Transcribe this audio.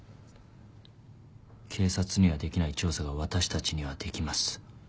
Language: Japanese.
警察にはできない調査が私たちにはできます。